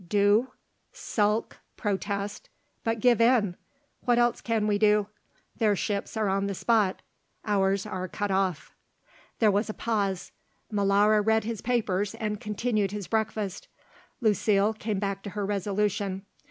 "Do? Sulk, protest, but give in. What else can we do? Their ships are on the spot; ours are cut off." There was a pause. Molara read his papers and continued his breakfast. Lucile came back to her resolution.